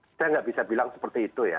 saya nggak bisa bilang seperti itu ya